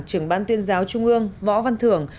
trưởng ban tuyên giáo trung ương võ văn thưởng